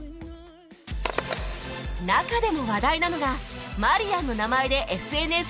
中でも話題なのが「まりやん」の名前で ＳＮＳ に投稿した